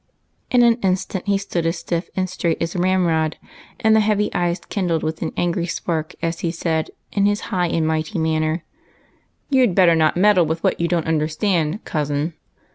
In an instant he stood as stiff and straight as a ram rod, and the heavy eyes kindled with an angry spark as he said, in his high and mighty manner, —" You 'd better not meddle with what you don't understand, cousin."